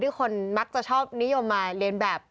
คนมักจะชอบนิยมมาเรียนแบบ